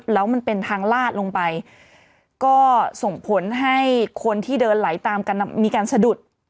แล้วมันเป็นทางลาดลงไปก็ส่งผลให้คนที่เดินไหลตามกันมีการสะดุด